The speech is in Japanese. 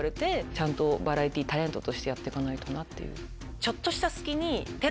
ちゃんとバラエティータレントとしてやってかないとなっていう。